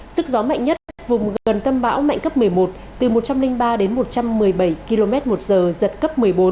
sức gió mạnh nhất vùng gần tâm bão mạnh cấp một mươi một từ một trăm linh ba đến một trăm một mươi bảy km một giờ giật cấp một mươi bốn